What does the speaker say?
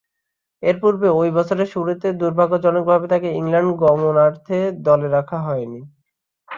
এরপূর্বে ঐ বছরের শুরুতে দূর্ভাগ্যজনকভাবে তাকে ইংল্যান্ড গমনার্থে দলে রাখা হয়নি।